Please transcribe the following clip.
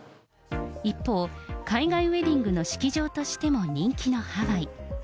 一方、海外ウエディングの式場としても人気のハワイ。